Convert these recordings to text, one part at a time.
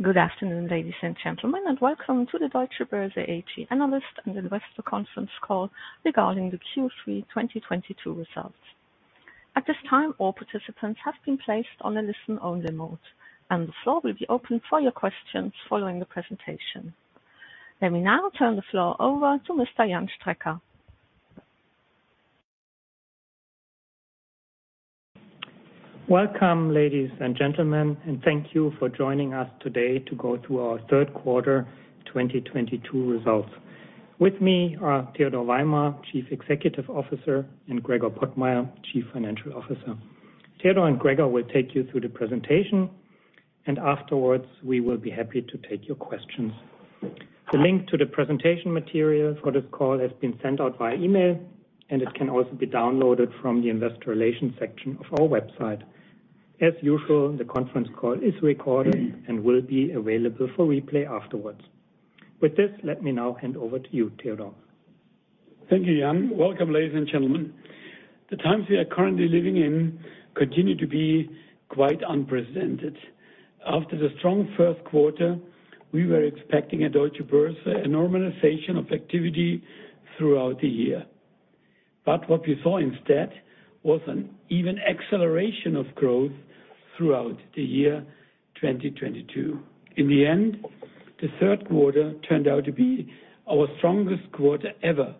Good afternoon, ladies and gentlemen, and welcome to the Deutsche Börse AG analyst and investor conference call regarding the Q3 2022 results. At this time, all participants have been placed on a listen only mode, and the floor will be open for your questions following the presentation. Let me now turn the floor over to Mr. Jan Strecker. Welcome, ladies and gentlemen, and thank you for joining us today to go through our third quarter 2022 results. With me are Theodor Weimer, Chief Executive Officer, and Gregor Pottmeyer, Chief Financial Officer. Theodor and Gregor will take you through the presentation, and afterwards, we will be happy to take your questions. The link to the presentation material for this call has been sent out via email, and it can also be downloaded from the investor relations section of our website. As usual, the conference call is recorded and will be available for replay afterwards. With this, let me now hand over to you, Theodor. Thank you, Jan. Welcome, ladies and gentlemen. The times we are currently living in continue to be quite unprecedented. After the strong first quarter, we were expecting at Deutsche Börse a normalization of activity throughout the year. What we saw instead was an even acceleration of growth throughout the year 2022. In the end, the third quarter turned out to be our strongest quarter ever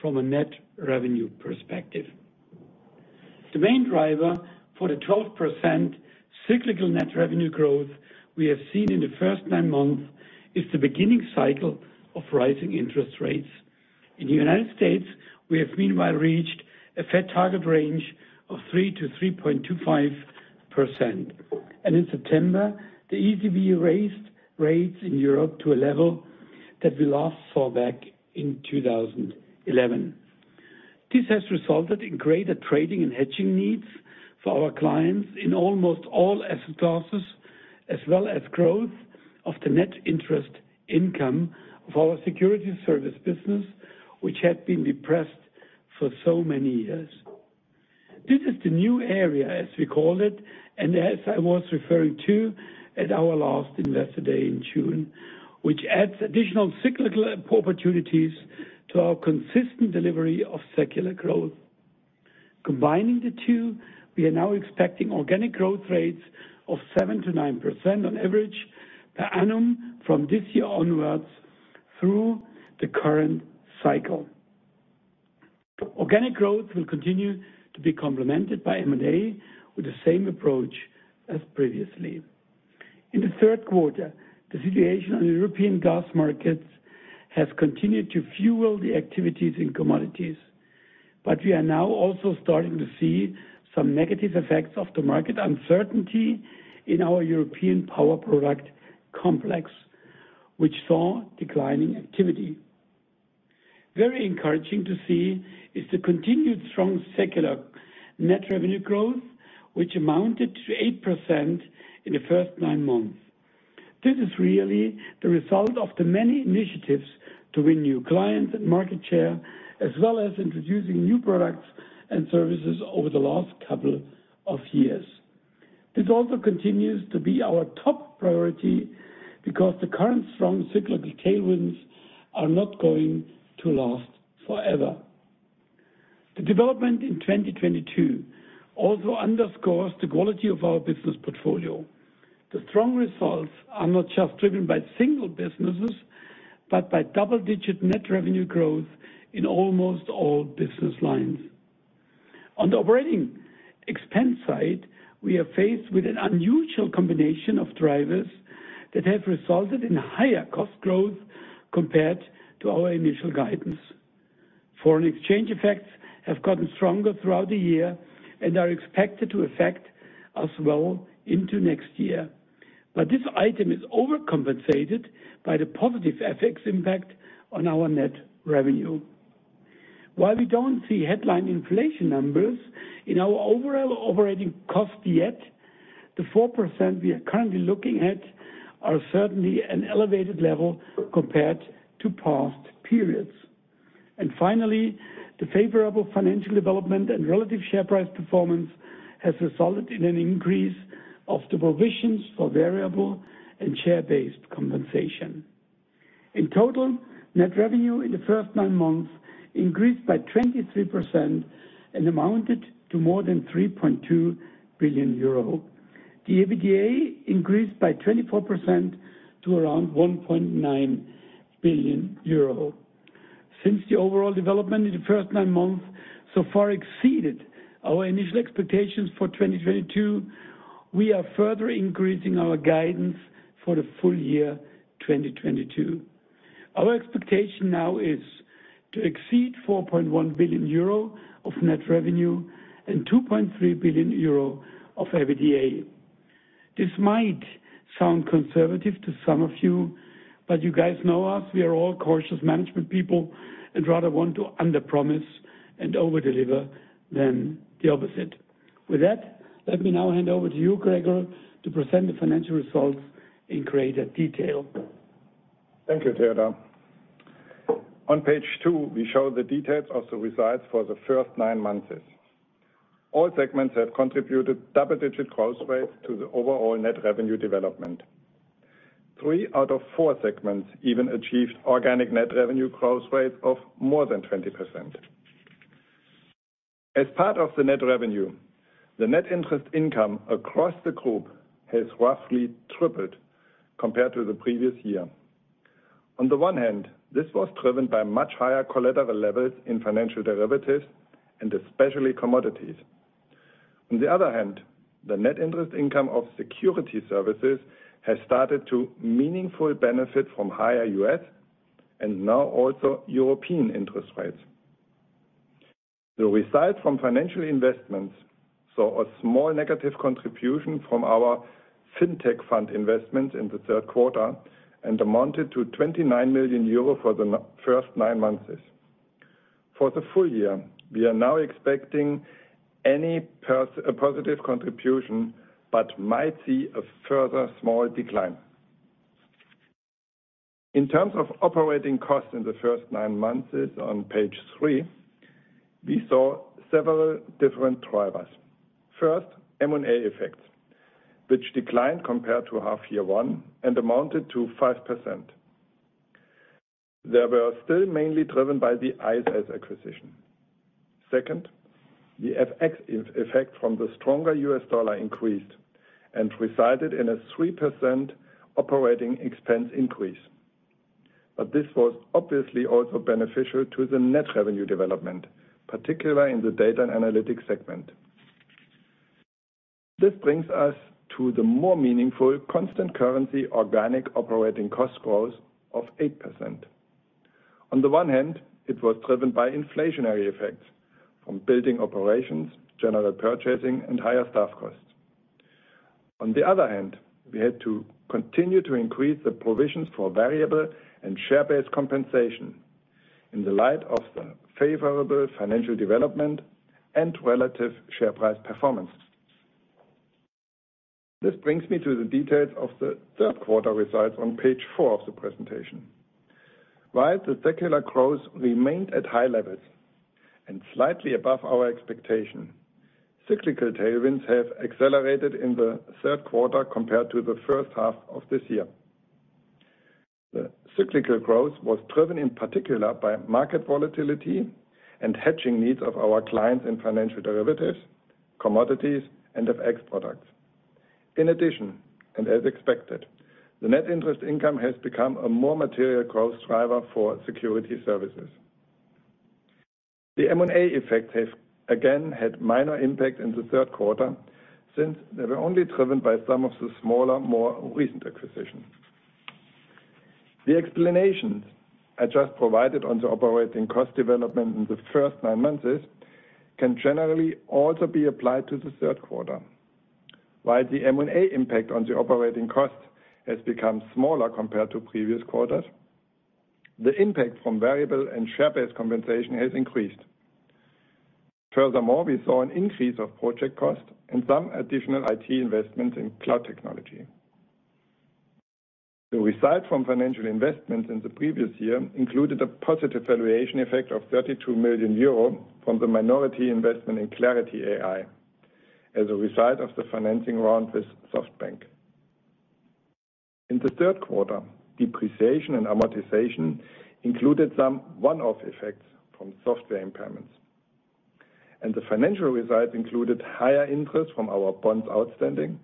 from a net revenue perspective. The main driver for the 12% cyclical net revenue growth we have seen in the first nine months is the beginning cycle of rising interest rates. In the United States, we have meanwhile reached a Fed target range of 3%-3.25%. In September, the ECB raised rates in Europe to a level that we last saw back in 2011. This has resulted in greater trading and hedging needs for our clients in almost all asset classes, as well as growth of the net interest income of our security service business, which had been depressed for so many years. This is the new area, as we call it, and as I was referring to at our last investor day in June, which adds additional cyclical opportunities to our consistent delivery of secular growth. Combining the two, we are now expecting organic growth rates of 7%-9% on average per annum from this year onwards through the current cycle. Organic growth will continue to be complemented by M&A with the same approach as previously. In the third quarter, the situation on the European gas markets has continued to fuel the activities in commodities, but we are now also starting to see some negative effects of the market uncertainty in our European power product complex, which saw declining activity. Very encouraging to see is the continued strong secular net revenue growth, which amounted to 8% in the first nine months. This is really the result of the many initiatives to win new clients and market share, as well as introducing new products and services over the last couple of years. This also continues to be our top priority because the current strong cyclical tailwinds are not going to last forever. The development in 2022 also underscores the quality of our business portfolio. The strong results are not just driven by single businesses, but by double-digit net revenue growth in almost all business lines. On the operating expense side, we are faced with an unusual combination of drivers that have resulted in higher cost growth compared to our initial guidance. Foreign exchange effects have gotten stronger throughout the year and are expected to affect us well into next year. But this item is overcompensated by the positive FX impact on our net revenue. While we don't see headline inflation numbers in our overall operating cost yet, the 4% we are currently looking at are certainly an elevated level compared to past periods. Finally, the favorable financial development and relative share price performance has resulted in an increase of the provisions for variable and share-based compensation. In total, net revenue in the first nine months increased by 23% and amounted to more than 3.2 billion euro. The EBITDA increased by 24% to around 1.9 billion euro. Since the overall development in the first nine months so far exceeded our initial expectations for 2022, we are further increasing our guidance for the full year 2022. Our expectation now is to exceed 4.1 billion euro of net revenue and 2.3 billion euro of EBITDA. This might sound conservative to some of you, but you guys know us, we are all cautious management people and rather want to underpromise and overdeliver than the opposite. With that, let me now hand over to you, Gregor, to present the financial results in greater detail. Thank you, Theodor. On page two, we show the details of the results for the first nine months. All segments have contributed double-digit growth rates to the overall net revenue development. Three out of four segments even achieved organic net revenue growth rates of more than 20%. As part of the net revenue, the net interest income across the group has roughly tripled compared to the previous year. On the one hand, this was driven by much higher collateral levels in financial derivatives and especially commodities. On the other hand, the net interest income of security services has started to meaningfully benefit from higher U.S. and now also European interest rates. The results from financial investments saw a small negative contribution from our Fintech fund investment in the third quarter and amounted to 29 million euro for the first nine months. For the full year, we are now expecting a positive contribution, but might see a further small decline. In terms of operating costs in the first nine months on page 3, we saw several different drivers. First, M&A effects, which declined compared to half year one and amounted to 5%. They were still mainly driven by the ISS acquisition. Second, the FX effect from the stronger US dollar increased and resulted in a 3% operating expense increase. This was obviously also beneficial to the net revenue development, particularly in the data and analytics segment. This brings us to the more meaningful constant currency organic operating cost growth of 8%. On the one hand, it was driven by inflationary effects from building operations, general purchasing and higher staff costs. On the other hand, we had to continue to increase the provisions for variable and share-based compensation in the light of the favorable financial development and relative share price performance. This brings me to the details of the third quarter results on page 4 of the presentation. While the secular growth remained at high levels and slightly above our expectation, cyclical tailwinds have accelerated in the third quarter compared to the first half of this year. The cyclical growth was driven in particular by market volatility and hedging needs of our clients in financial derivatives, commodities and FX products. In addition, and as expected, the net interest income has become a more material growth driver for security services. The M&A effect has again had minor impact in the third quarter since they were only driven by some of the smaller, more recent acquisitions. The explanations I just provided on the operating cost development in the first nine months can generally also be applied to the third quarter. While the M&A impact on the operating cost has become smaller compared to previous quarters, the impact from variable and share-based compensation has increased. Furthermore, we saw an increase of project costs and some additional IT investments in cloud technology. The result from financial investments in the previous year included a positive valuation effect of 32 million euro from the minority investment in Clarity AI as a result of the financing round with SoftBank. In the third quarter, depreciation and amortization included some one-off effects from software impairments, and the financial results included higher interest from our bonds outstanding,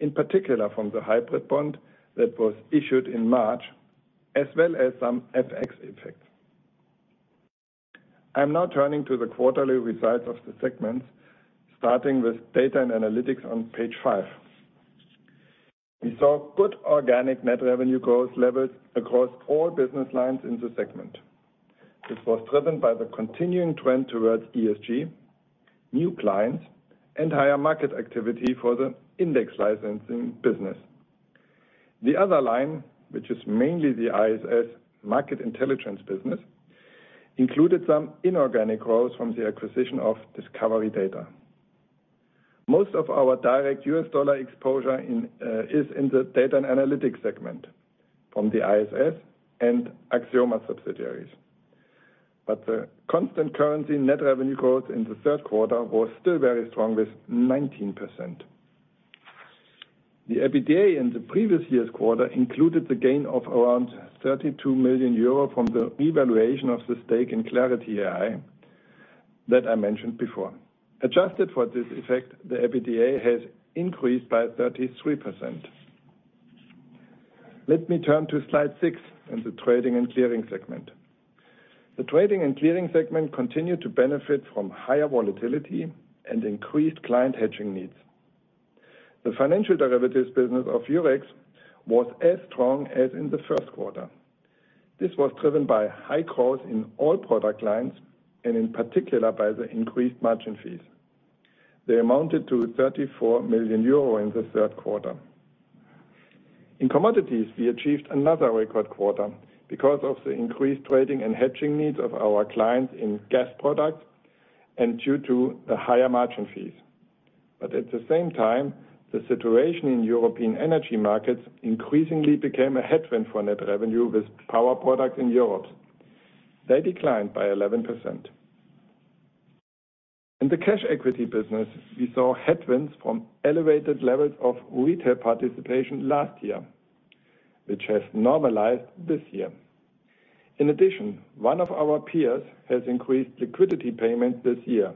in particular from the hybrid bond that was issued in March, as well as some FX effects. I am now turning to the quarterly results of the segments, starting with data and analytics on page 5. We saw good organic net revenue growth levels across all business lines in the segment. This was driven by the continuing trend towards ESG, new clients and higher market activity for the index licensing business. The other line, which is mainly the ISS Market Intelligence business, included some inorganic growth from the acquisition of Discovery Data. Most of our direct US dollar exposure is in the data and analytics segment from the ISS and Axioma subsidiaries. The constant currency net revenue growth in the third quarter was still very strong with 19%. The EBITDA in the previous year's quarter included the gain of around 32 million euro from the revaluation of the stake in Clarity AI that I mentioned before. Adjusted for this effect, the EBITDA has increased by 33%. Let me turn to slide 6 and the trading and clearing segment. The trading and clearing segment continued to benefit from higher volatility and increased client hedging needs. The financial derivatives business of Eurex was as strong as in the first quarter. This was driven by high growth in all product lines and in particular by the increased margin fees. They amounted to 34 million euro in the third quarter. In commodities, we achieved another record quarter because of the increased trading and hedging needs of our clients in gas products and due to the higher margin fees. At the same time, the situation in European energy markets increasingly became a headwind for net revenue with power products in Europe. They declined by 11%. In the cash equity business, we saw headwinds from elevated levels of retail participation last year, which has normalized this year. In addition, one of our peers has increased liquidity payments this year,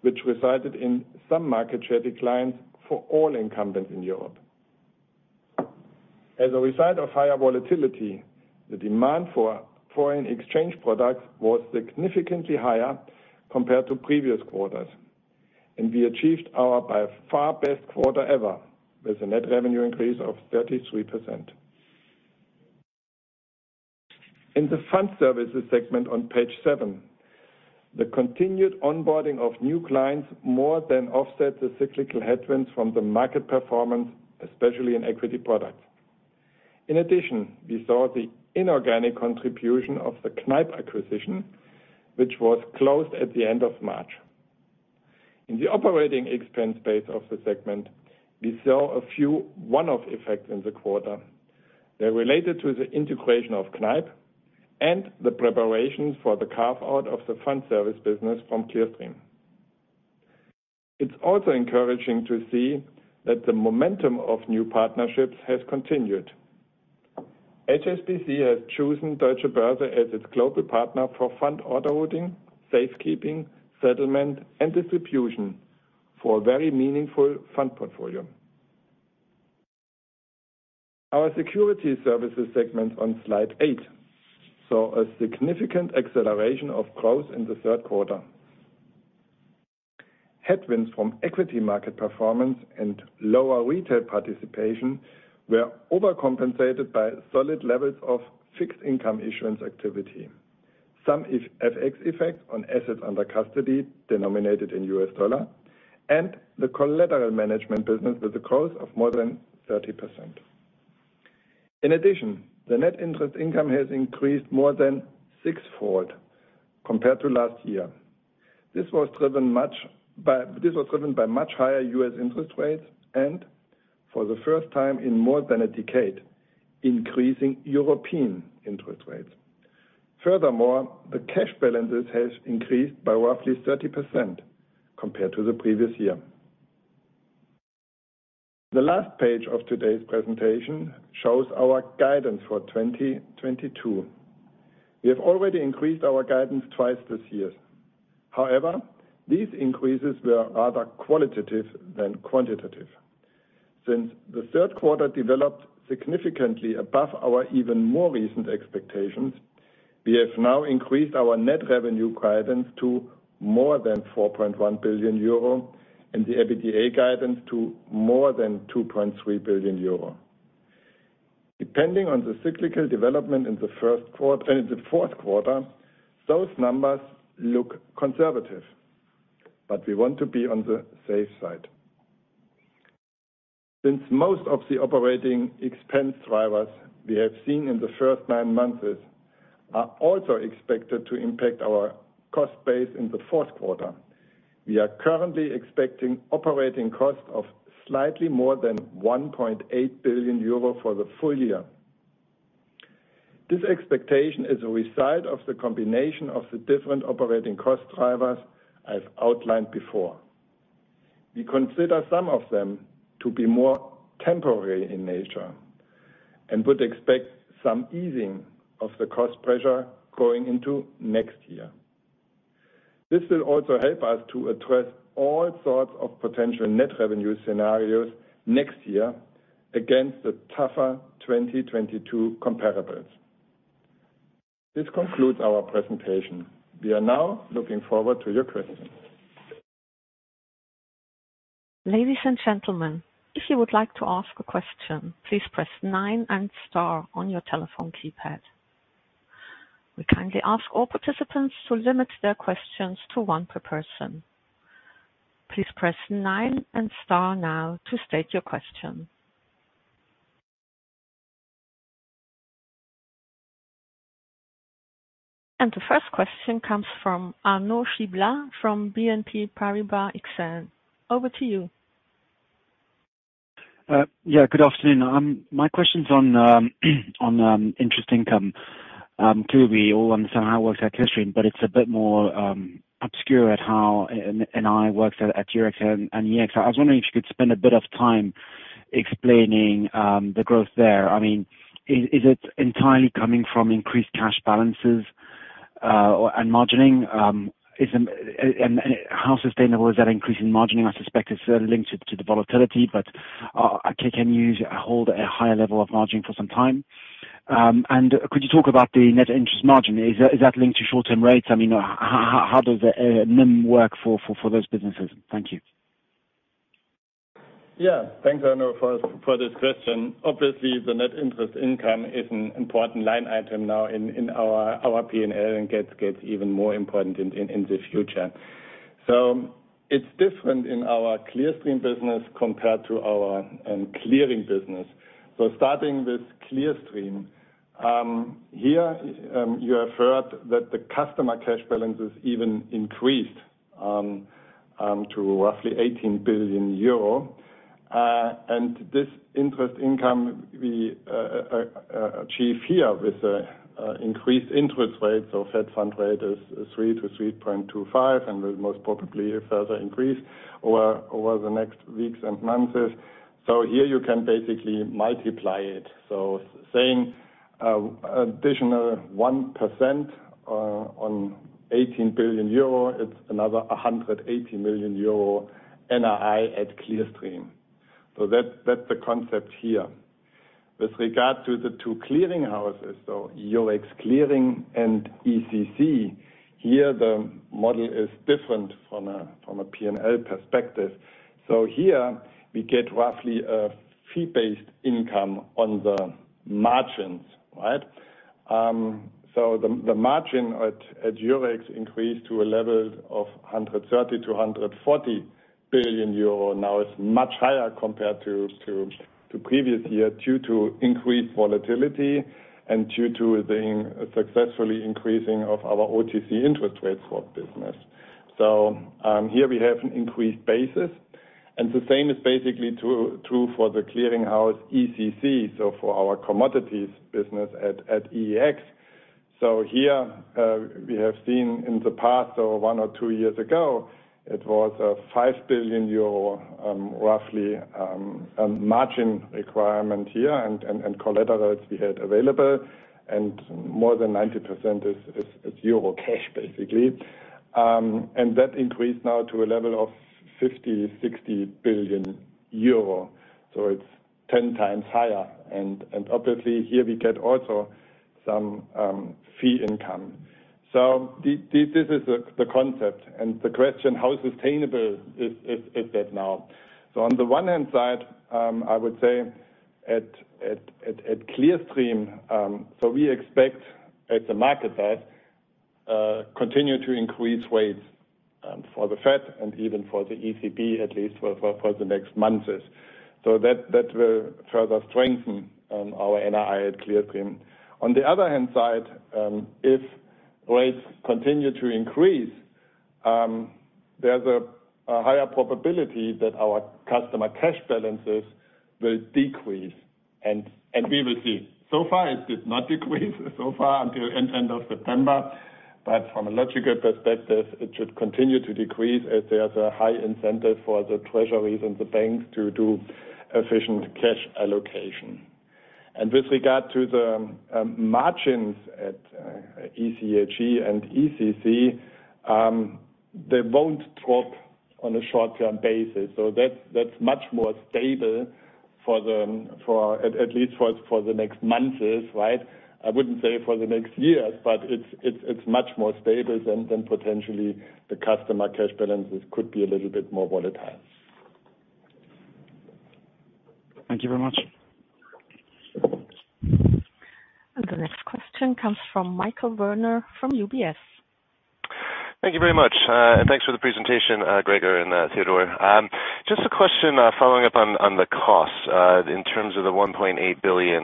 which resulted in some market share declines for all incumbents in Europe. As a result of higher volatility, the demand for foreign exchange products was significantly higher compared to previous quarters, and we achieved our by far best quarter ever, with a net revenue increase of 33%. In the fund services segment on page 7, the continued onboarding of new clients more than offset the cyclical headwinds from the market performance, especially in equity products. In addition, we saw the inorganic contribution of the Kneip acquisition, which was closed at the end of March. In the operating expense base of the segment, we saw a few one-off effects in the quarter. They're related to the integration of Kneip and the preparations for the carve-out of the fund service business from Clearstream. It's also encouraging to see that the momentum of new partnerships has continued. HSBC has chosen Deutsche Börse as its global partner for fund order holding, safekeeping, settlement, and distribution for a very meaningful fund portfolio. Our security services segment on slide 8 saw a significant acceleration of growth in the third quarter. Headwinds from equity market performance and lower retail participation were overcompensated by solid levels of fixed income issuance activity, plus the FX effect on assets under custody denominated in U.S. dollar and the collateral management business with the growth of more than 30%. In addition, the net interest income has increased more than six-fold compared to last year. This was driven by much higher US interest rates and for the first time in more than a decade, increasing European interest rates. Furthermore, the cash balances have increased by roughly 30% compared to the previous year. The last page of today's presentation shows our guidance for 2022. We have already increased our guidance twice this year. However, these increases were rather qualitative than quantitative. Since the third quarter developed significantly above our even more recent expectations, we have now increased our net revenue guidance to more than 4.1 billion euro and the EBITDA guidance to more than 2.3 billion euro. Depending on the cyclical development in the fourth quarter, those numbers look conservative, but we want to be on the safe side. Since most of the operating expense drivers we have seen in the first nine months are also expected to impact our cost base in the fourth quarter, we are currently expecting operating costs of slightly more than 1.8 billion euro for the full year. This expectation is a result of the combination of the different operating cost drivers I've outlined before. We consider some of them to be more temporary in nature and would expect some easing of the cost pressure going into next year. This will also help us to address all sorts of potential net revenue scenarios next year against the tougher 2022 comparables. This concludes our presentation. We are now looking forward to your questions. Ladies and gentlemen, if you would like to ask a question, please press nine and star on your telephone keypad. We kindly ask all participants to limit their questions to one per person. Please press nine and star now to state your question. The first question comes from Arnaud Giblat from BNP Paribas Exane. Over to you. Good afternoon. My question's on interest income. Clearly we all understand how it works at Clearstream, but it's a bit more obscure at how an NII works at Eurex and ECC. I was wondering if you could spend a bit of time explaining the growth there. I mean, is it entirely coming from increased cash balances, or margining? How sustainable is that increase in margining? I suspect it's certainly linked to the volatility, but can you hold a higher level of margining for some time? Could you talk about the net interest margin? Is that linked to short-term rates? I mean, how does a NIM work for those businesses? Thank you. Yeah. Thanks, Arnaud, for this question. Obviously, the net interest income is an important line item now in our P&L and gets even more important in the future. It's different in our Clearstream business compared to our clearing business. Starting with Clearstream. Here, you have heard that the customer cash balances even increased to roughly 18 billion euro. This interest income we achieve here with increased interest rates or Fed fund rate is 3%-3.25% and will most probably further increase over the next weeks and months. Here you can basically multiply it. Saying additional 1% on 18 billion euro, it's another 180 million euro NII at Clearstream. That's the concept here. With regard to the two clearing houses, so Eurex Clearing and ECC, here the model is different from a P&L perspective. Here we get roughly a fee-based income on the margins, right? The margin at Eurex increased to a level of 130 billion-140 billion euro. Now it's much higher compared to previous year due to increased volatility and due to the successfully increasing of our OTC interest rates for business. Here we have an increased basis, and the same is basically true for the clearing house ECC, so for our commodities business at EEX. Here we have seen in the past or one or two years ago, it was 5 billion euro roughly margin requirement here and collateral we had available, and more than 90% is euro cash, basically. That increased now to a level of 50 billion-60 billion euro, so it's ten times higher. Obviously here we get also some fee income. This is the concept and the question, how sustainable is that now? On the one hand side, I would say at Clearstream, we expect as a market that continue to increase rates for the Fed and even for the ECB, at least for the next months. That will further strengthen our NII at Clearstream. On the other hand side, if rates continue to increase, there's a higher probability that our customer cash balances will decrease, and we will see. So far it did not decrease so far until end of September. From a logical perspective, it should continue to decrease as there's a high incentive for the treasuries and the banks to do efficient cash allocation. With regard to the margins at EEX and ECC, they won't drop on a short-term basis. That's much more stable for at least the next months, right? I wouldn't say for the next years, but it's much more stable than potentially the customer cash balances could be a little bit more volatile. Thank you very much. The next question comes from Michael Werner from UBS. Thank you very much. Thanks for the presentation, Gregor Pottmeyer and Theodor Weimer. Just a question, following up on the costs, in terms of the 1.8 billion,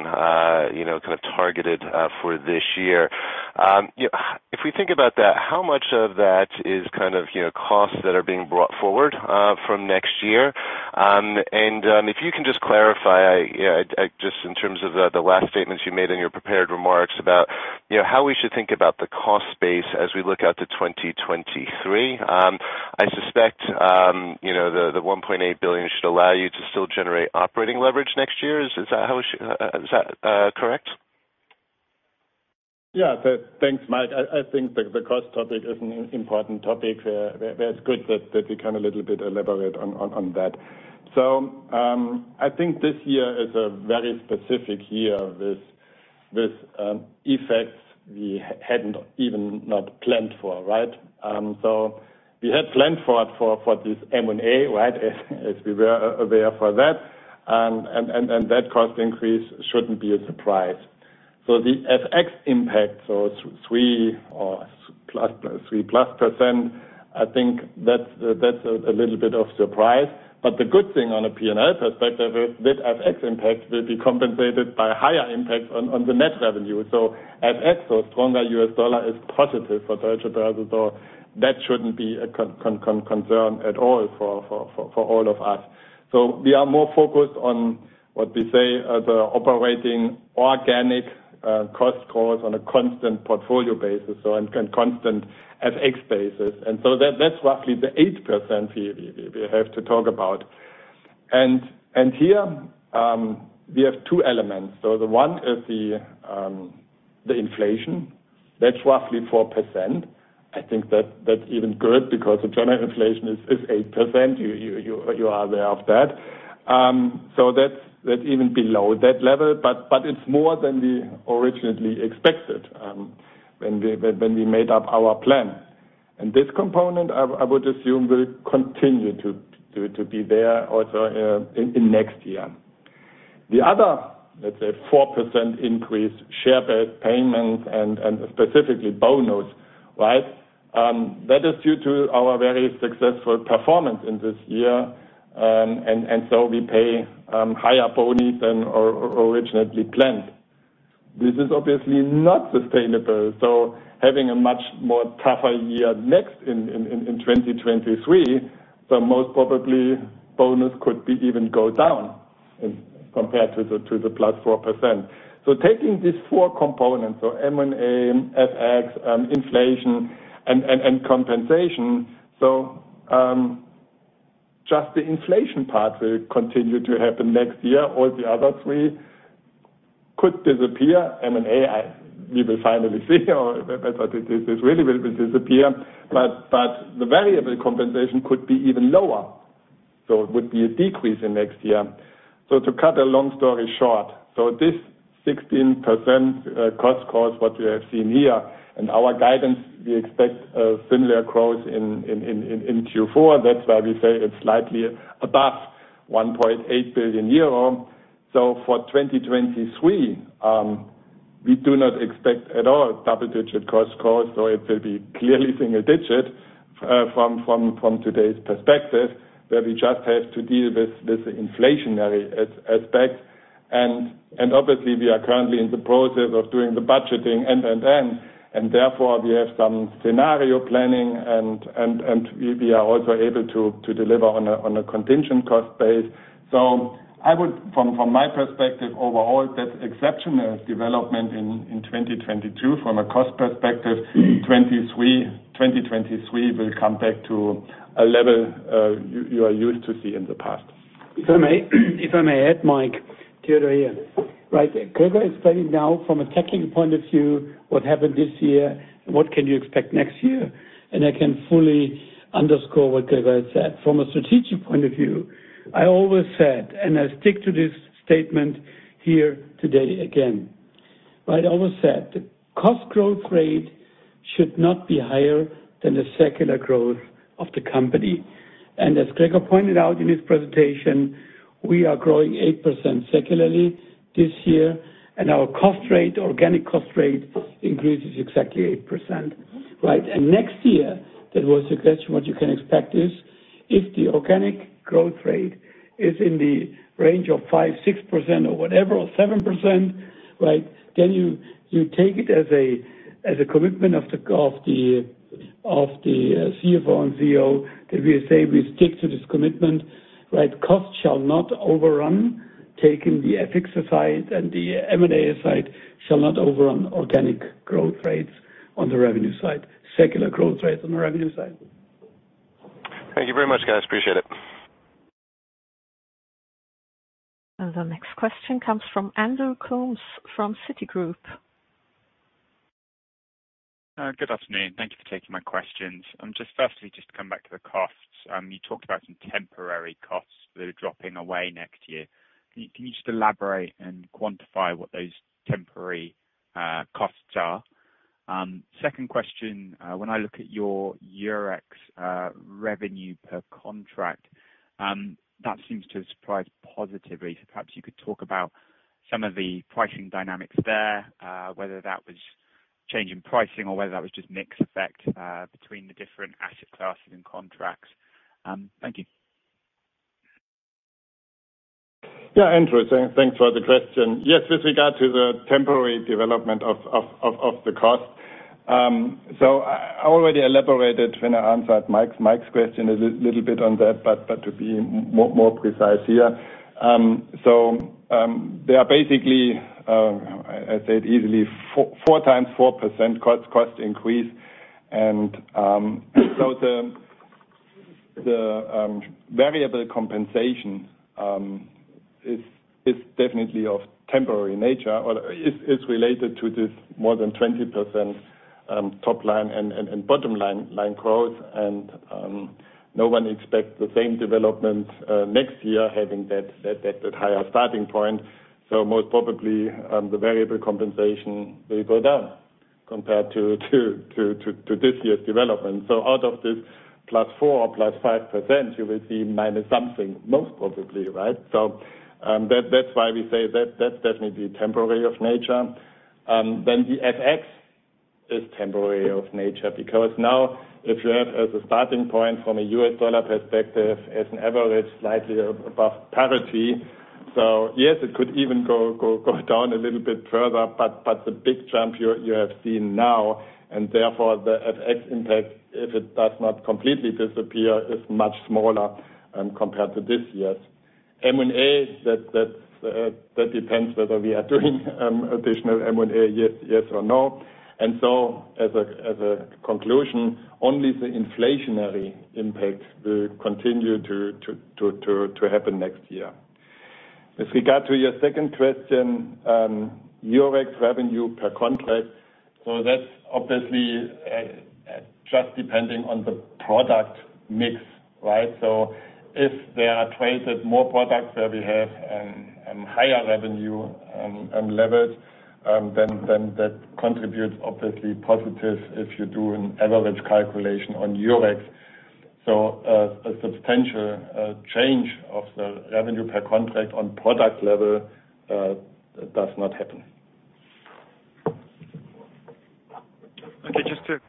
you know, kind of targeted for this year. If we think about that, how much of that is kind of, you know, costs that are being brought forward from next year? And if you can just clarify, you know, just in terms of the last statements you made in your prepared remarks about, you know, how we should think about the cost base as we look out to 2023. I suspect, you know, the 1.8 billion should allow you to still generate operating leverage next year. Is that correct? Yeah. Thanks, Michael. I think the cost topic is an important topic. That's good that we can a little bit elaborate on that. I think this year is a very specific year with effects we hadn't even not planned for, right? We had planned for this M&A, right? As we were aware of that. That cost increase shouldn't be a surprise. The FX impact, 3%+, I think that's a little bit of a surprise. The good thing on a P&L perspective is that FX impact will be compensated by higher impact on the net revenue. At Xetra, stronger US dollar is positive for Deutsche Börse, that shouldn't be a concern at all for all of us. We are more focused on what we say as operating organic cost calls on a constant portfolio basis, so on constant FX basis. That's roughly the 8% fee we have to talk about. Here we have two elements. The one is the inflation. That's roughly 4%. I think that's even good because the general inflation is 8%. You are aware of that. That's even below that level. It's more than we originally expected when we made up our plan. This component I would assume will continue to be there also in next year. The other, let's say, 4% increase share-based payments and specifically bonus, right? That is due to our very successful performance in this year, and so we pay higher bonus than originally planned. This is obviously not sustainable, so having a much more tougher year next in 2023, most probably bonus could even go down compared to the plus 4%. Taking these four components, M&A, FX, inflation and compensation, just the inflation part will continue to happen next year. All the others could disappear. M&A, we will finally see, but it really will disappear. But the variable compensation could be even lower, so it would be a decrease in next year. To cut a long story short, this 16% cost growth what we have seen here, in our guidance, we expect a similar growth in Q4. That's why we say it's slightly above 1.8 billion euro. For 2023, we do not expect at all double-digit cost growth, so it will be clearly single digit, from today's perspective, where we just have to deal with this inflationary aspect. Obviously we are currently in the process of doing the budgeting and therefore we have some scenario planning and we are also able to deliver on a contingent cost base. From my perspective overall, that exceptional development in 2022 from a cost perspective, 2023 will come back to a level you are used to see in the past. If I may, if I may add, Michael, Theodor here, right? Gregor is saying now from a technical point of view, what happened this year, what can you expect next year? I can fully underscore what Gregor said. From a strategic point of view, I always said, and I stick to this statement here today again, but I always said the cost growth rate should not be higher than the secular growth of the company. As Gregor pointed out in his presentation, we are growing 8% secularly this year, and our cost rate, organic cost rate increases exactly 8%, right? Next year, there was a question what you can expect is, if the organic growth rate is in the range of 5, 6% or whatever, or 7%, right? You take it as a commitment of the CFO and CEO that we say we stick to this commitment, right? Costs shall not overrun taking the FX aside and the M&A aside, shall not overrun organic growth rates on the revenue side, secular growth rates on the revenue side. Thank you very much, guys. Appreciate it. The next question comes from Andrew Coombs from Citigroup. Good afternoon. Thank you for taking my questions. Just firstly, just to come back to the costs. You talked about some temporary costs that are dropping away next year. Can you just elaborate and quantify what those temporary costs are? Second question, when I look at your Eurex revenue per contract, that seems to have surprised positively. Perhaps you could talk about some of the pricing dynamics there, whether that was change in pricing or whether that was just mix effect, between the different asset classes and contracts. Thank you. Yeah, Andrew, thanks for the question. Yes, with regard to the temporary development of the cost, so I already elaborated when I answered Michael's question a little bit on that, but to be more precise here. They are basically, as said, easily four times 4% cost increase. The variable compensation is definitely of temporary nature or is related to this more than 20% top line and bottom line growth. No one expects the same development next year having that higher starting point. Most probably, the variable compensation will go down compared to this year's development. Out of this +4% or +5%, you will see minus something most probably, right? That's why we say that's definitely temporary in nature. Then the FX is temporary in nature because now if you have as a starting point from a US dollar perspective as an average slightly above parity, yes, it could even go down a little bit further, but the big jump you have seen now and therefore the FX impact, if it does not completely disappear, is much smaller compared to this year. M&A, that depends whether we are doing additional M&A, yes or no. As a conclusion, only the inflationary impact will continue to happen next year. With regard to your second question, Eurex revenue per contract, so that's obviously just depending on the product mix, right? If there are traded more products where we have higher revenue levels, then that contributes obviously positive if you do an average calculation on Eurex. A substantial change of the revenue per contract on product level does not happen. Okay. Just to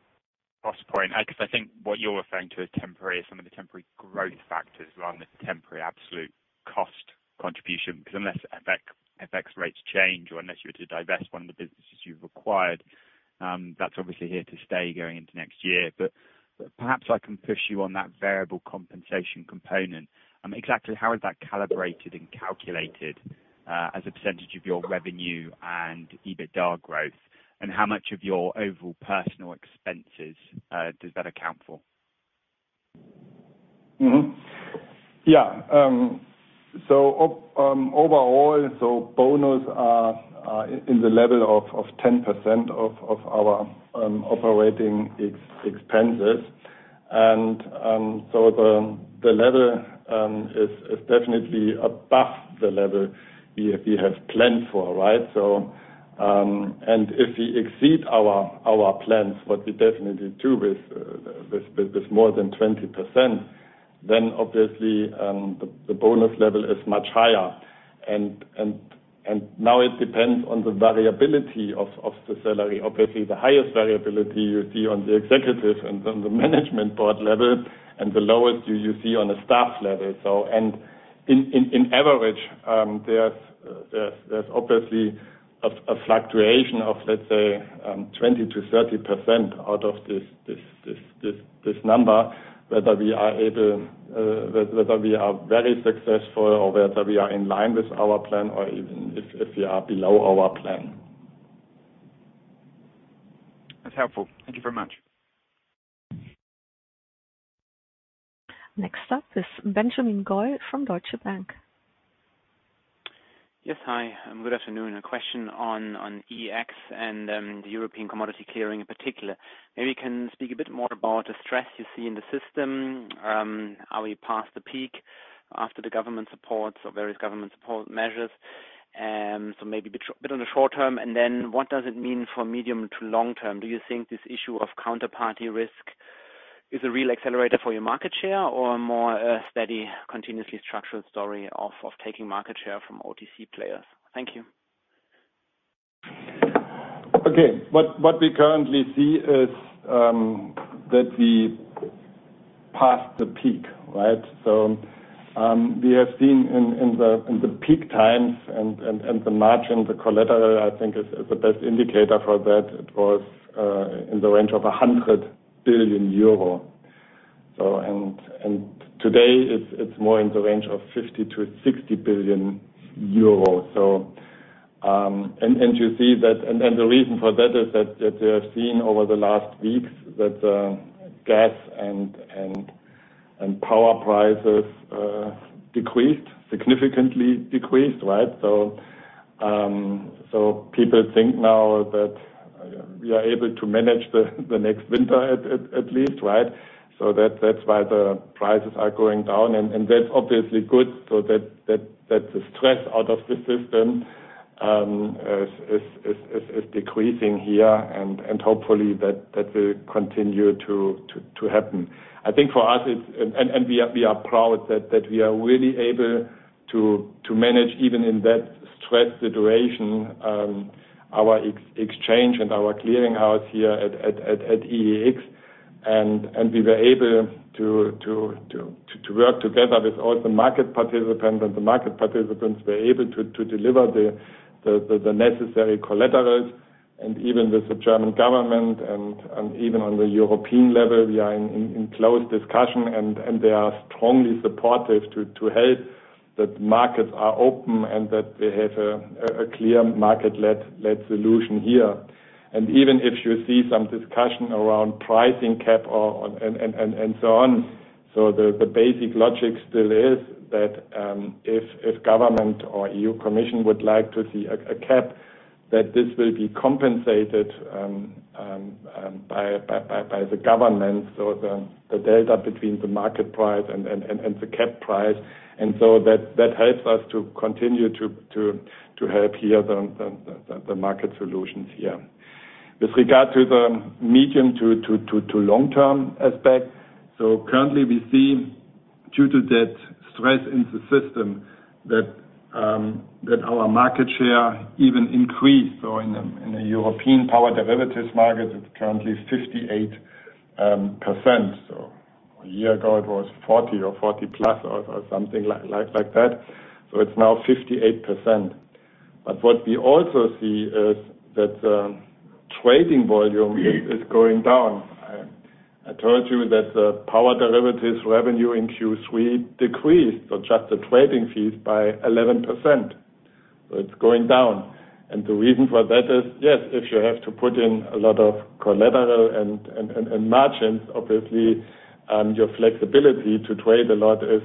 cross point, 'cause I think what you're referring to as temporary is some of the temporary growth factors rather than the temporary absolute cost contribution. Because unless FX rates change or unless you were to divest one of the businesses you've acquired, that's obviously here to stay going into next year. Perhaps I can push you on that variable compensation component. Exactly how is that calibrated and calculated, as a percentage of your revenue and EBITDA growth? How much of your overall personnel expenses does that account for? Overall, bonuses are at the level of 10% of our operating expenses. The level is definitely above the level we have planned for, right? If we exceed our plans by more than 20%, then obviously, the bonus level is much higher. Now it depends on the variability of the salary. Obviously, the highest variability you see on the executive and on the management board level, and the lowest you see on the staff level. On average, there's obviously a fluctuation of, let's say, 20%-30% out of this number, whether we are very successful or whether we are in line with our plan or even if we are below our plan. That's helpful. Thank you very much. Next up is Benjamin Goy from Deutsche Bank. Yes. Hi, and good afternoon. A question on EEX and the European Commodity Clearing in particular. Maybe you can speak a bit more about the stress you see in the system. Are we past the peak after the government supports or various government support measures? Maybe a bit on the short term, and then what does it mean for medium to long term? Do you think this issue of counterparty risk is a real accelerator for your market share or more a steady, continuously structural story of taking market share from OTC players? Thank you. Okay. What we currently see is that we passed the peak, right? We have seen in the peak times and the margin, the collateral I think is the best indicator for that. It was in the range of 100 billion euro. Today it's more in the range of 50 billion-60 billion euro. You see that. The reason for that is that we have seen over the last weeks that gas and power prices decreased significantly, right? People think now that we are able to manage the next winter at least, right? That's why the prices are going down, and that's obviously good. That's the stress out of the system is decreasing here and hopefully that will continue to happen. I think for us, and we are proud that we are really able to manage even in that stress situation, our EEX exchange and our clearing house here at EEX. We were able to work together with all the market participants, and the market participants were able to deliver the necessary collaterals. Even with the German government and even on the European level, we are in close discussion, and they are strongly supportive to help that markets are open and that we have a clear market-led solution here. Even if you see some discussion around pricing cap or and so on, the basic logic still is that, if government or European Commission would like to see a cap, that this will be compensated by the government, so the data between the market price and the cap price. That helps us to continue to help here the market solutions here. With regard to the medium- to long-term aspect, currently we see due to that stress in the system that our market share even increased. In the European power derivatives market, it's currently 58%. A year ago it was 40 or 40 plus or something like that. It's now 58%. What we also see is that trading volume is going down. I told you that the power derivatives revenue in Q3 decreased, so just the trading fees by 11%. It's going down. The reason for that is, if you have to put in a lot of collateral and margins obviously, your flexibility to trade a lot is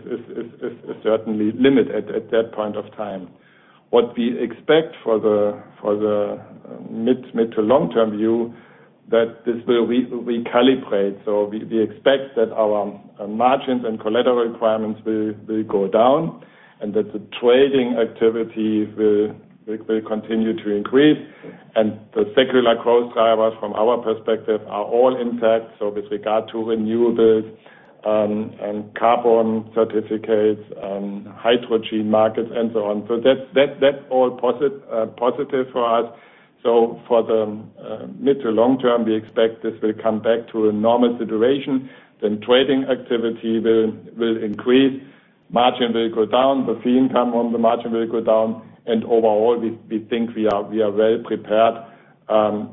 certainly limited at that point of time. What we expect for the mid- to long-term view is that this will recalibrate. We expect that our margins and collateral requirements will go down. That the trading activity will continue to increase and the secular growth drivers from our perspective are all intact. With regard to renewables, and carbon certificates and hydrogen markets and so on. That's all positive for us. For the mid to long term we expect this will come back to a normal situation then trading activity will increase, margin will go down, the fee income on the margin will go down and overall we think we are well prepared,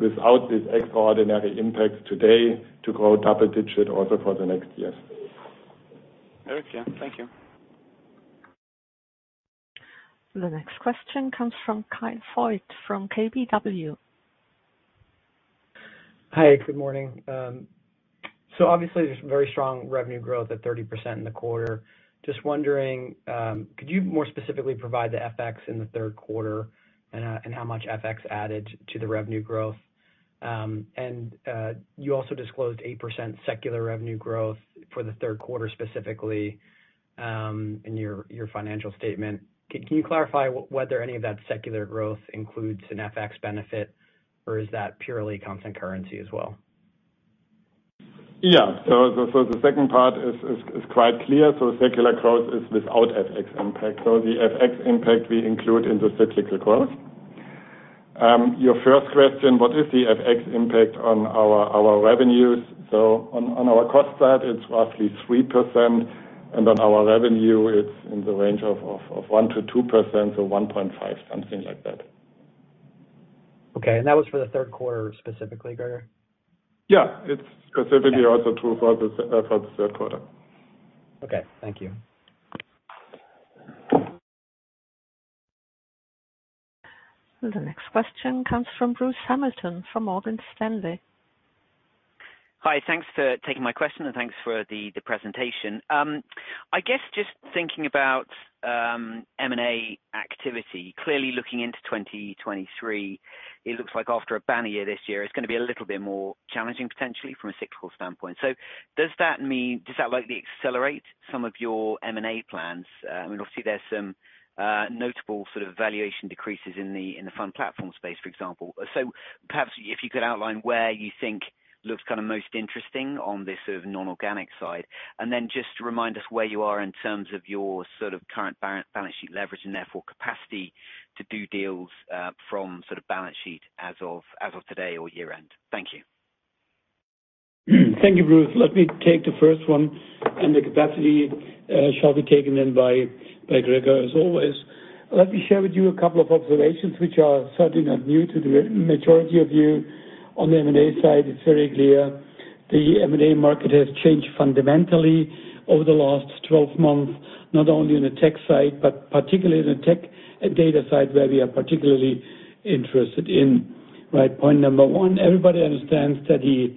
without this extraordinary impact today to grow double digit also for the next year. Theodor, yeah. Thank you. The next question comes from Kyle Voigt, from KBW. Hi, good morning. Obviously there's very strong revenue growth at 30% in the quarter. Just wondering, could you more specifically provide the FX in the third quarter and how much FX added to the revenue growth? You also disclosed 8% secular revenue growth for the third quarter specifically in your financial statement. Can you clarify whether any of that secular growth includes an FX benefit or is that purely constant currency as well? Yeah. The second part is quite clear. Secular growth is without FX impact. The FX impact we include in the cyclical growth. Your first question, what is the FX impact on our revenues? On our cost side it's roughly 3% and on our revenue it's in the range of 1%-2% so 1.5, something like that. Okay. That was for the third quarter specifically, Gregor? Yeah. It's specifically also true for the third quarter. Okay, thank you. The next question comes from Bruce Hamilton from Morgan Stanley. Hi, thanks for taking my question and thanks for the presentation. I guess just thinking about M&A activity. Clearly looking into 2023 it looks like after a banner year this year it's gonna be a little bit more challenging potentially from a cyclical standpoint. Does that mean, does that likely accelerate some of your M&A plans? I mean obviously there's some notable sort of valuation decreases in the, in the fund platform space, for example. Perhaps if you could outline where you think looks kind of most interesting on this sort of non-organic side and then just remind us where you are in terms of your sort of current balance sheet leverage and therefore capacity to do deals, from sort of balance sheet as of today or year end. Thank you. Thank you Bruce. Let me take the first one and the capacity shall be taken in by Gregor as always. Let me share with you a couple of observations which are certainly not new to the majority of you on the M&A side. It's very clear the M&A market has changed fundamentally over the last 12 months, not only in the tech side but particularly in the tech data side where we are particularly interested in. Right, point number 1 everybody understands that the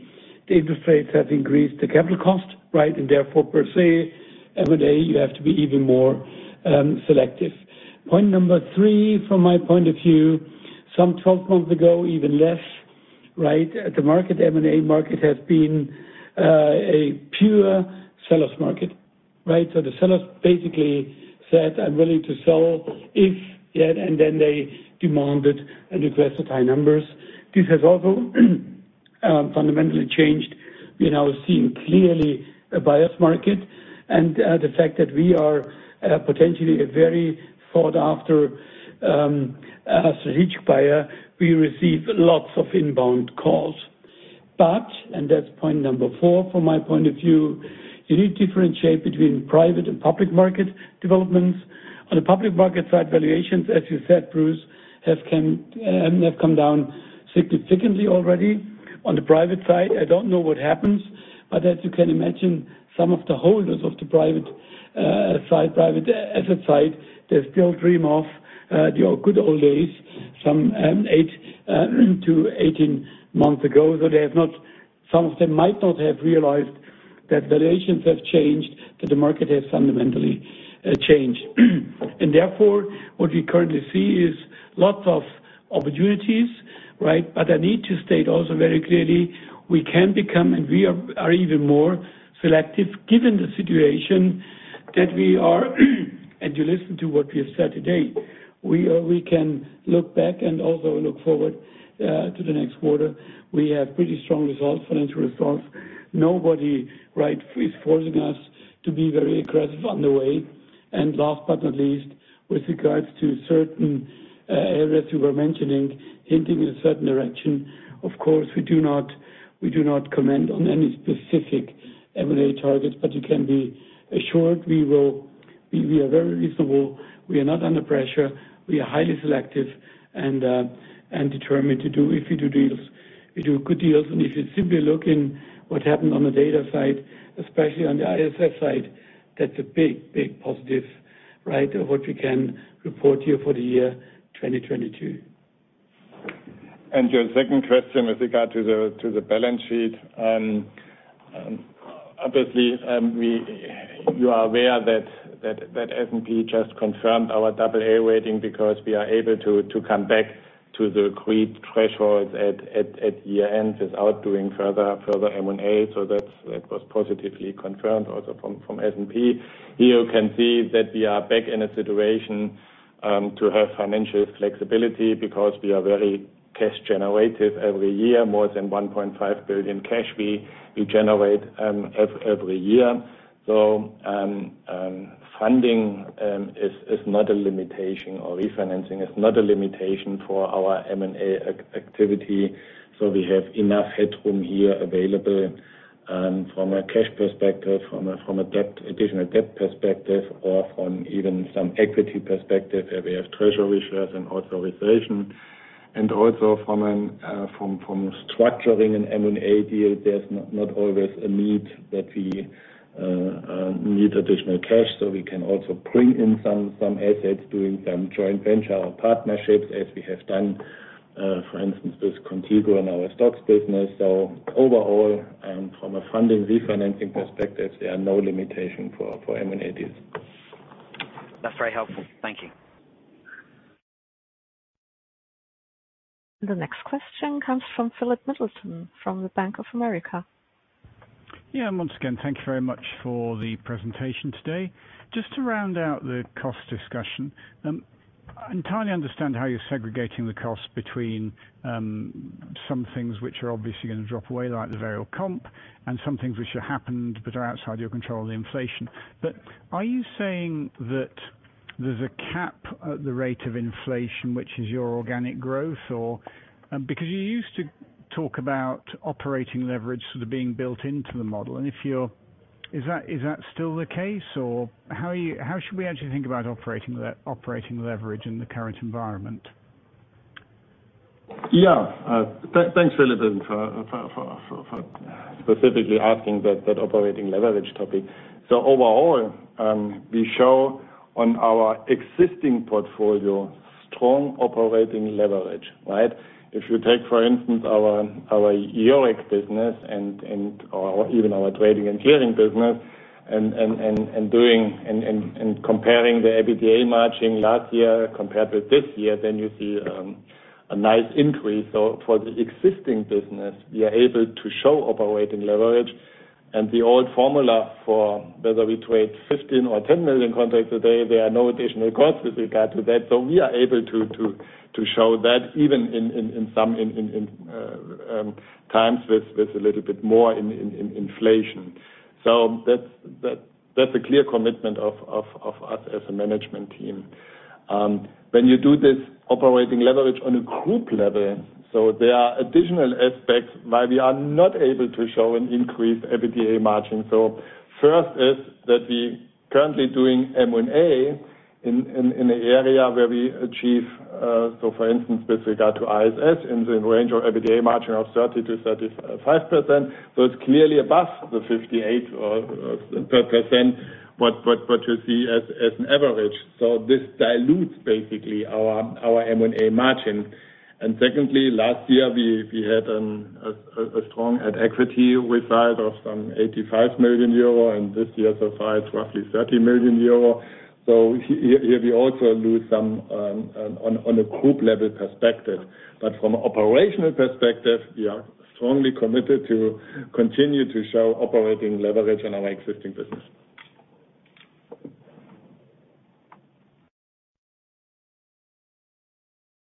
interest rates have increased the capital cost, right? Therefore per se M&A you have to be even more selective. Point number 3 from my point of view some 12 months ago even less, right? The market, M&A market has been a pure sellers market, right? The sellers basically said I'm willing to sell if, and then they demanded and requested high numbers. This has also fundamentally changed. We are now seeing clearly a buyer's market and, the fact that we are, potentially a very sought after, strategic buyer we receive lots of inbound calls. That's point number four from my point of view you need to differentiate between private and public market developments. On the public market side valuations as you said Bruce have come down significantly already. On the private side I don't know what happens but as you can imagine some of the holders of the private, side, private asset side they still dream of, the good old days some, 8 months-18 months ago. They have not, some of them might not have realized that valuations have changed, that the market has fundamentally changed. Therefore what we currently see is lots of opportunities right? I need to state also very clearly we can become and we are even more selective given the situation that we are and you listen to what we have said today we can look back and also look forward to the next quarter. We have pretty strong results, financial results. Nobody right is forcing us to be very aggressive on the way and last but not least with regards to certain areas you were mentioning hinting in a certain direction of course we do not comment on any specific M&A targets but you can be assured we are very reasonable. We are not under pressure. We are highly selective and determined to do, if we do deals we do good deals and if you simply look at what happened on the data side especially on the ISS side that's a big positive, right? Of what we can report here for the year 2022. Your second question with regard to the balance sheet, obviously, you are aware that S&P just confirmed our AA rating because we are able to come back to the agreed thresholds at year end without doing further M&A so that was positively confirmed also from S&P. Here you can see that we are back in a situation to have financial flexibility because we are very cash generative every year, more than 1.5 billion cash we generate every year. Funding is not a limitation or refinancing is not a limitation for our M&A activity. We have enough headroom here available from a cash perspective, from an additional debt perspective or from even some equity perspective where we have treasury shares and authorization. Also from structuring an M&A deal, there's not always a need that we need additional cash. We can also bring in some assets, doing some joint venture or partnerships, as we have done for instance with Qontigo in our stocks business. Overall from a funding refinancing perspective, there are no limitations for M&A deals. That's very helpful. Thank you. The next question comes from Philip Middleton from Bank of America. Yeah. Once again, thank you very much for the presentation today. Just to round out the cost discussion, I entirely understand how you're segregating the costs between some things which are obviously gonna drop away, like the variable comp, and some things which have happened but are outside your control, the inflation. Are you saying that there's a cap at the rate of inflation, which is your organic growth or because you used to talk about operating leverage sort of being built into the model. Is that still the case, or how should we actually think about operating leverage in the current environment? Yeah. Thanks, Philip, for specifically asking that operating leverage topic. Overall, we show on our existing portfolio strong operating leverage, right? If you take, for instance, our Eurex business or even our trading and clearing business and comparing the EBITDA margin last year compared with this year, then you see a nice increase. For the existing business, we are able to show operating leverage and the old formula for whether we trade 15 or 10 million contracts a day, there are no additional costs with regard to that. We are able to show that even in some times with a little bit more in inflation. That's a clear commitment of us as a management team. When you do this operating leverage on a group level, there are additional aspects why we are not able to show an increased EBITDA margin. First is that we currently doing M&A in an area where we achieve, so for instance, with regard to ISS, in the range of EBITDA margin of 30%-35%. It's clearly above the 58% or so what you see as an average. This dilutes basically our M&A margin. Secondly, last year we had a strong at equity result of some 85 million euro, and this year so far it's roughly 30 million euro. Here we also lose some on a group level perspective. From operational perspective, we are strongly committed to continue to show operating leverage in our existing business.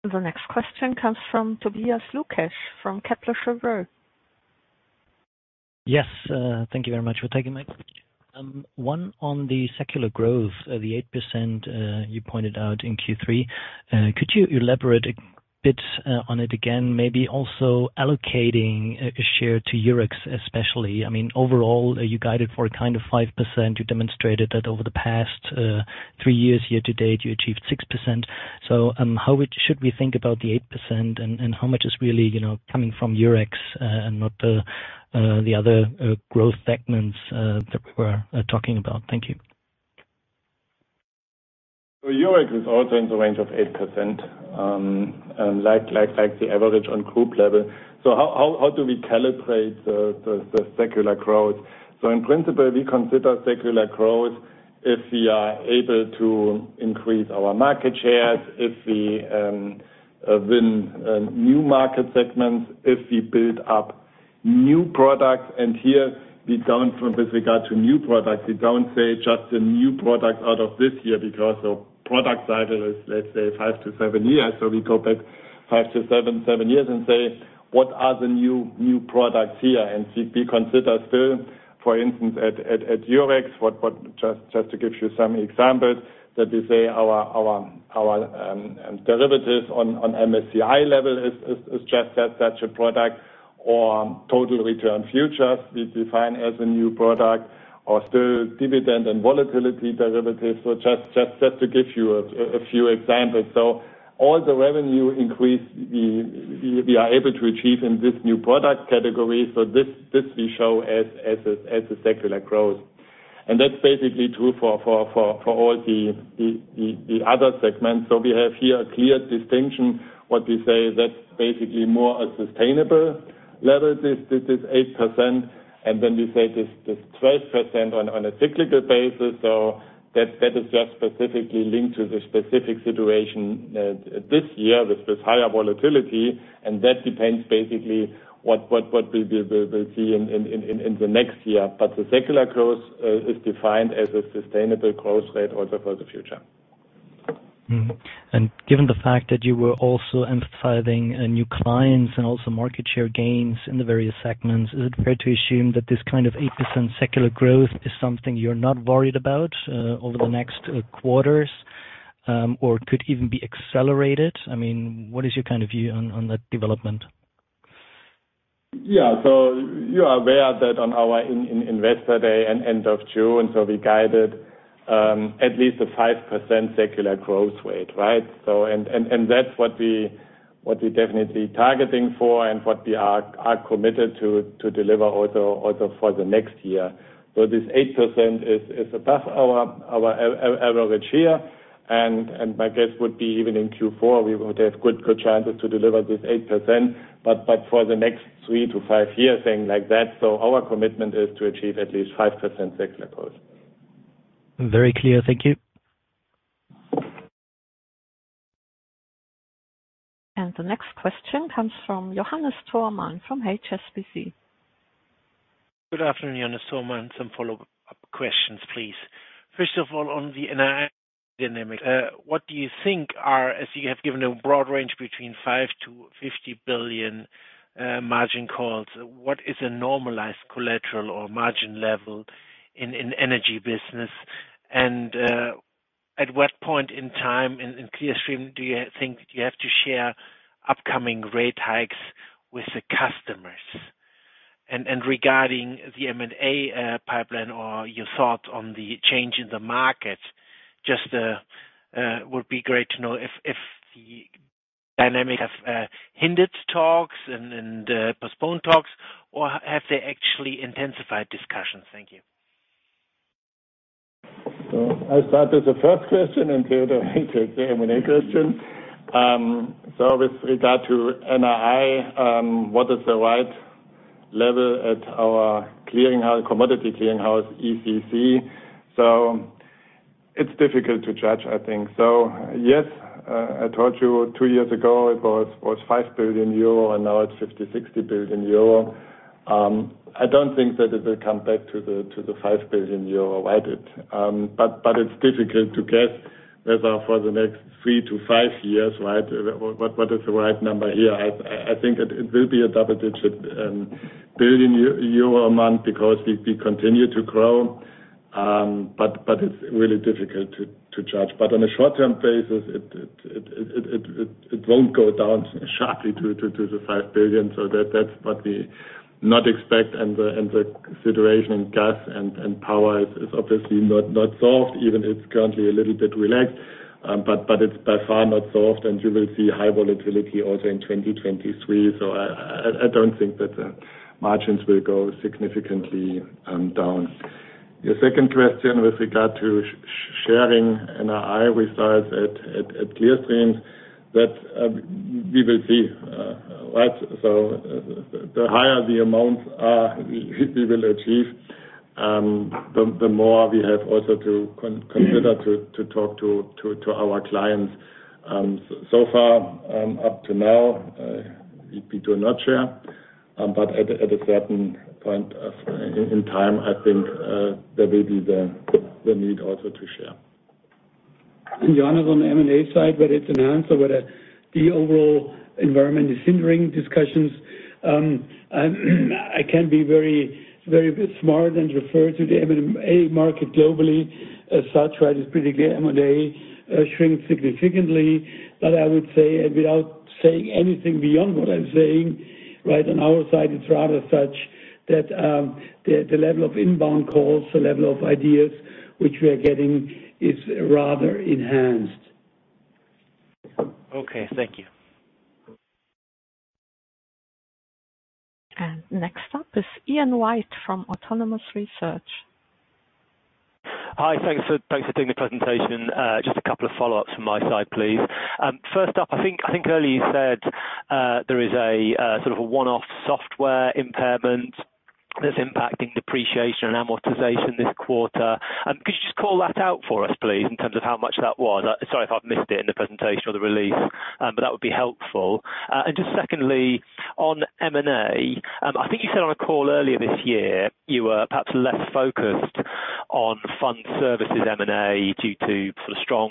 The next question comes from Tobias Lukesch from Kepler Cheuvreux. Yes. Thank you very much for taking my question. One on the secular growth, the 8% you pointed out in Q3. Could you elaborate a bit on it again, maybe also allocating a share to Eurex especially? I mean, overall, you guided for kind of 5%. You demonstrated that over the past 3 years year to date, you achieved 6%. How should we think about the 8% and how much is really, you know, coming from Eurex and what the other growth segments that we're talking about? Thank you. Eurex is also in the range of 8%, unlike like the average on group level. How do we calibrate the secular growth? In principle, we consider secular growth if we are able to increase our market shares, if we win new market segments, if we build up new products, and here we don't, with regard to new products, we don't say just a new product out of this year because the product cycle is, let's say, 5 years-7 years. We go back five to seven years and say, "What are the new products here?" We consider still, for instance, at Eurex, to give you some examples, that we say our derivatives on MSCI level is just that's a product or Total Return Futures we define as a new product or still dividend and volatility derivatives. Just to give you a few examples. All the revenue increase we are able to achieve in this new product category. This we show as a secular growth. That's basically true for all the other segments. We have here a clear distinction. What we say is that's basically more a sustainable level. This is 8% and then we say this 12% on a cyclical basis. That's that is just specifically linked to the specific situation this year with this higher volatility, and that depends basically what we'll see in the next year. The secular growth is defined as a sustainable growth rate also for the future. Given the fact that you were also emphasizing new clients and also market share gains in the various segments, is it fair to assume that this kind of 8% secular growth is something you're not worried about over the next quarters or could even be accelerated? I mean, what is your kind of view on that development? Yeah. You are aware that on our Investor Day end of June, we guided at least 5% secular growth rate, right? And that's what we definitely targeting for and what we are committed to deliver also for the next year. This 8% is above our average year and my guess would be even in Q4, we would have good chances to deliver this 8%. For the next 3 years-5 years, things like that. Our commitment is to achieve at least 5% secular growth. Very clear. Thank you. The next question comes from Johannes Thormann from HSBC. Good afternoon, Johannes Thormann. Some follow-up questions, please. First of all, on the NII dynamic, what do you think as you have given a broad range between 5 billion-50 billion margin calls, what is a normalized collateral or margin level in energy business? At what point in time in Clearstream do you think you have to share upcoming rate hikes with the customers? Regarding the M&A pipeline or your thoughts on the change in the market, just would be great to know if the dynamic have hindered talks and postponed talks, or have they actually intensified discussions? Thank you. I'll start with the first question and Theodor will take the M&A question. With regard to NII, what is the right level at our clearing house, commodity clearing house, ECC? It's difficult to judge, I think. Yes, I told you two years ago it was 5 billion euro, and now it's 50 billion-60 billion euro. I don't think that it will come back to the 5 billion euro, right? It's difficult to guess whether for the next 3 years-5 years, right, what is the right number here. I think it will be a double-digit billion EUR amount because we continue to grow. It's really difficult to judge. On a short-term basis, it won't go down sharply to 5 billion. That's what we do not expect and the situation in gas and power is obviously not solved, even if it's currently a little bit relaxed. It's by far not solved, and you will see high volatility also in 2023. I don't think that margins will go significantly down. Your second question with regard to sharing NII with us at Clearstream, that we will see, right? The higher the amounts are we will achieve, the more we have also to consider to talk to our clients. So far, up to now, we do not share, but at a certain point in time, I think, there will be the need also to share. Johannes Thormann on the M&A side, whether it's an answer, whether the overall environment is hindering discussions, I can be very smart and refer to the M&A market globally as such, right? It's pretty clear M&A shrunk significantly. I would say, without saying anything beyond what I'm saying, right, on our side it's rather such that, the level of inbound calls, the level of ideas which we are getting is rather enhanced. Okay, thank you. Next up is Ian White from Autonomous Research. Hi. Thanks for doing the presentation. Just a couple of follow-ups from my side, please. First up, I think earlier you said there is a sort of a one-off software impairment that's impacting depreciation and amortization this quarter. Could you just call that out for us, please, in terms of how much that was? Sorry if I've missed it in the presentation or the release, but that would be helpful. Just secondly, on M&A, I think you said on a call earlier this year, you were perhaps less focused on fund services M&A due to sort of strong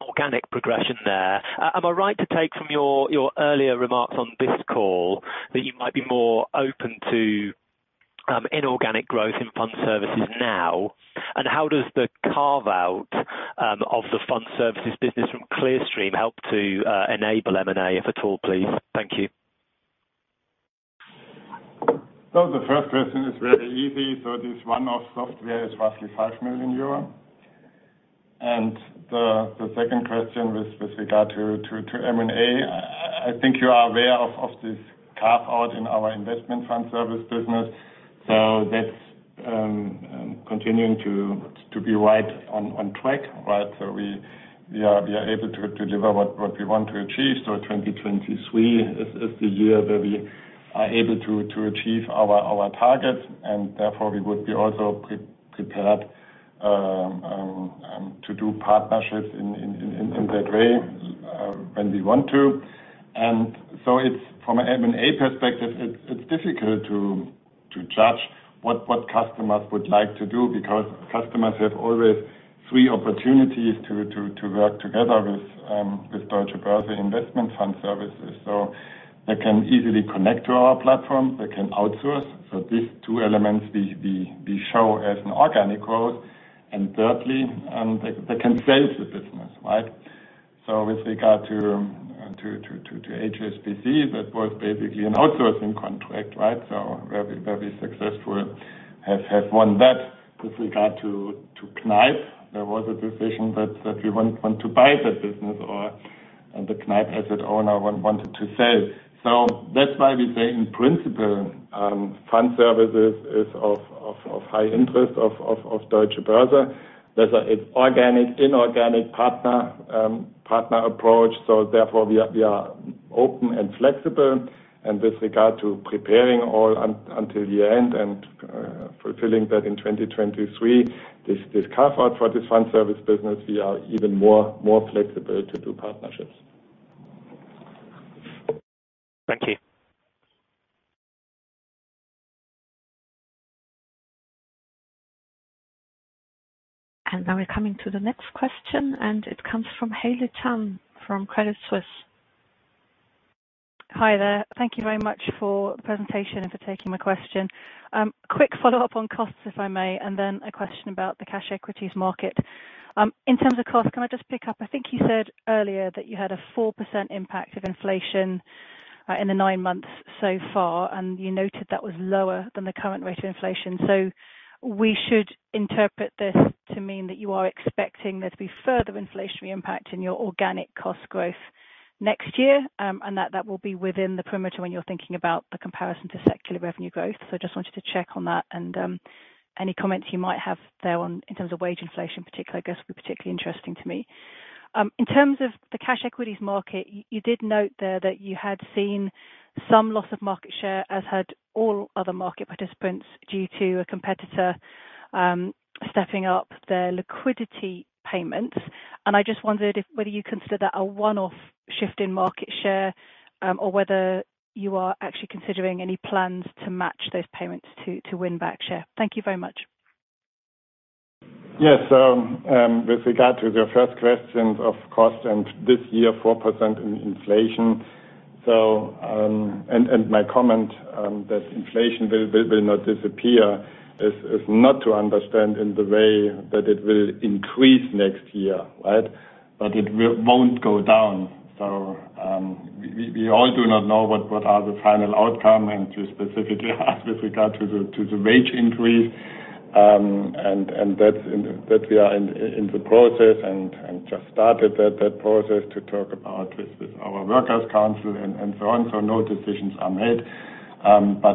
organic progression there. Am I right to take from your earlier remarks on this call that you might be more open to inorganic growth in fund services now? How does the carve-out of the fund services business from Clearstream help to enable M&A, if at all, please? Thank you. The first question is very easy. This one-off software is roughly 5 million euro. The second question with regard to M&A, I think you are aware of this carve-out in our investment fund service business. That's continuing to be right on track, right? We are able to deliver what we want to achieve. 2023 is the year where we are able to achieve our targets, and therefore we would be also prepared to do partnerships in that way when we want to. It's from an M&A perspective, it's difficult to judge what customers would like to do because customers have always three opportunities to work together with Deutsche Börse investment fund services. They can easily connect to our platform. They can outsource. These two elements we show as an organic growth. Thirdly, they can sell the business, right? With regard to HSBC, that was basically an outsourcing contract, right? Very successful, have won that. With regard to Kneip, there was a decision that we wouldn't want to buy the business or and the Kneip as an owner wanted to sell. That's why we say in principle, fund services is of high interest to Deutsche Börse, whether it's organic, inorganic partner approach. Therefore we are open and flexible and with regard to preparing all until the end and fulfilling that in 2023, this carve out for this fund service business, we are even more flexible to do partnerships. Thank you. Now we're coming to the next question, and it comes from Haley Tam from Credit Suisse. Hi there. Thank you very much for the presentation and for taking my question. Quick follow-up on costs, if I may, and then a question about the cash equities market. In terms of cost, can I just pick up, I think you said earlier that you had a 4% impact of inflation in the nine months so far, and you noted that was lower than the current rate of inflation. We should interpret this to mean that you are expecting there to be further inflationary impact in your organic cost growth next year, and that that will be within the parameters when you're thinking about the comparison to secular revenue growth. I just wanted to check on that, and any comments you might have there on, in terms of wage inflation in particular, I guess, would be particularly interesting to me. In terms of the cash equities market, you did note there that you had seen some loss of market share, as had all other market participants, due to a competitor stepping up their liquidity payments. I just wondered whether you consider that a one-off shift in market share, or whether you are actually considering any plans to match those payments to win back share. Thank you very much. Yes. With regard to your first question of cost and this year, 4% in inflation. My comment that inflation will not disappear is not to understand in the way that it will increase next year, right? It won't go down. We all do not know what are the final outcome and you specifically asked with regard to the wage increase. That's that we are in the process and just started that process to talk about with our works council and so on. No decisions are made.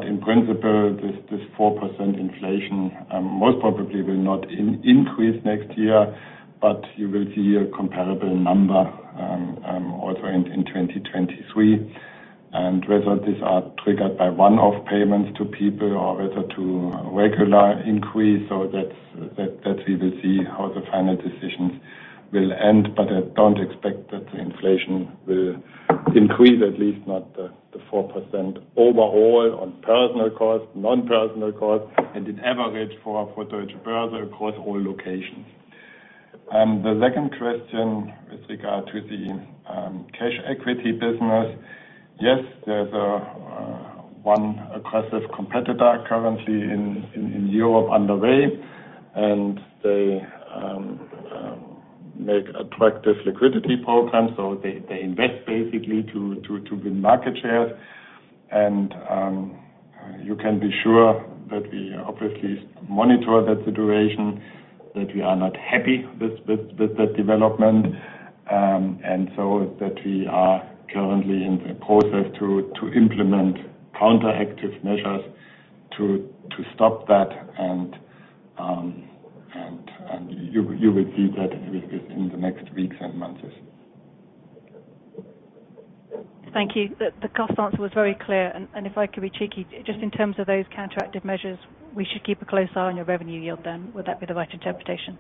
In principle, this 4% inflation most probably will not increase next year, but you will see a comparable number also in 2023. Whether these are triggered by one-off payments to people or a regular increase, so that we will see how the final decisions will end, but I don't expect that the inflation will increase, at least not the 4% overall on personal costs, non-personnel costs and on average for Deutsche Börse across all locations. The second question with regard to the cash equity business. Yes, there's one aggressive competitor currently underway in Europe, and they make attractive liquidity programs, so they invest basically to win market shares. You can be sure that we obviously monitor that situation, that we are not happy with that development. We are currently in the process to implement counteractive measures to stop that. You will see that within the next weeks and months. Thank you. The cost answer was very clear. If I could be cheeky, just in terms of those counteractive measures, we should keep a close eye on your revenue yield then. Would that be the right interpretation?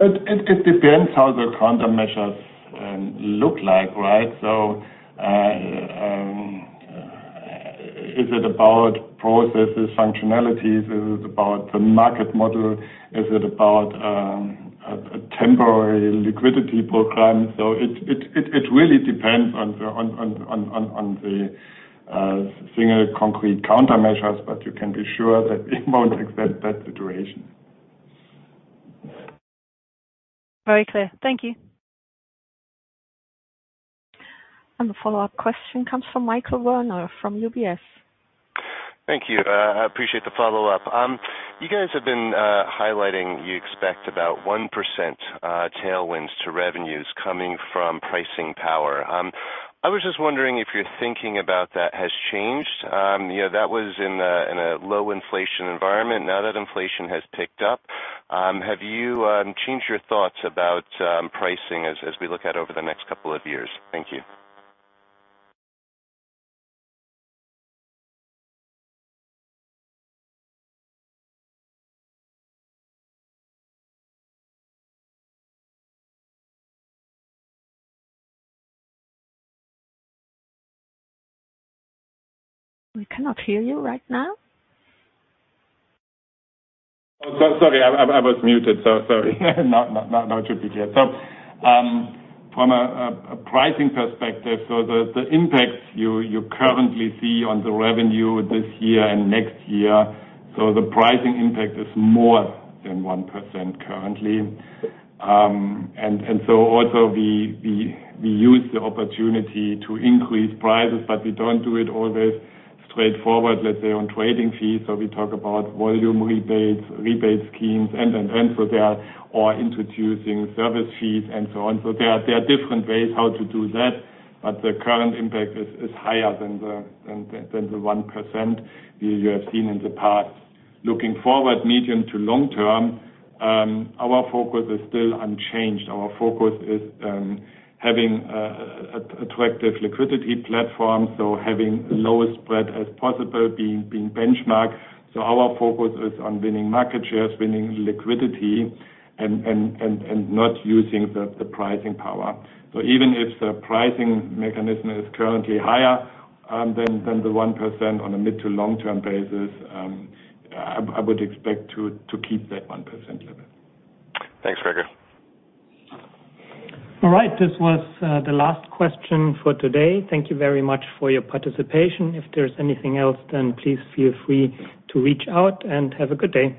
It depends how the countermeasures look like, right? Is it about processes, functionalities? Is it about the market model? Is it about a temporary liquidity program? It really depends on the single concrete countermeasures, but you can be sure that we won't accept that situation. Very clear. Thank you. The follow-up question comes from Michael Werner from UBS. Thank you. I appreciate the follow-up. You guys have been highlighting you expect about 1% tailwinds to revenues coming from pricing power. I was just wondering if your thinking about that has changed. You know that was in a low inflation environment. Now that inflation has picked up, have you changed your thoughts about pricing as we look at over the next couple of years? Thank you. We cannot hear you right now. Oh, so sorry. I was muted, so sorry. No. No tricks here. From a pricing perspective, the impacts you currently see on the revenue this year and next year, the pricing impact is more than 1% currently. Also we use the opportunity to increase prices, but we don't do it always straightforward, let's say on trading fees. We talk about volume rebates, rebate schemes and there are or introducing service fees and so on. There are different ways how to do that, but the current impact is higher than the 1% you have seen in the past. Looking forward medium to long term, our focus is still unchanged. Our focus is having attractive liquidity platform, having the lowest spread as possible being benchmarked. Our focus is on winning market shares, winning liquidity and not using the pricing power. Even if the pricing mechanism is currently higher than the 1% on a mid- to long-term basis, I would expect to keep that 1% limit. Thanks, Gregor. All right. This was the last question for today. Thank you very much for your participation. If there's anything else, then please feel free to reach out and have a good day.